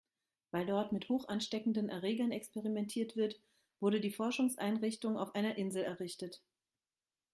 Weil dort mit hochansteckenden Erregern experimentiert wird, wurde die Forschungseinrichtung auf einer Insel errichtet.